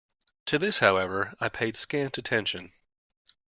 To this, however, I paid scant attention.